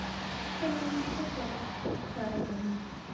قلم فکر ښکاره کوي.